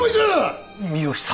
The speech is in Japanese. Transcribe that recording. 三好様。